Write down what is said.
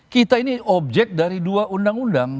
kita ini objek dari dua undang undang